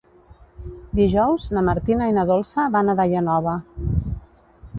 Dijous na Martina i na Dolça van a Daia Nova.